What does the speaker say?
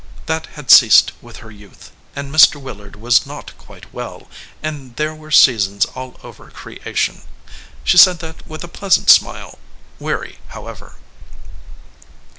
That had ceased with her youth, and Mr. Willard was not quite well, and there were seasons all over creation. She said that with a pleasant smile weary, however.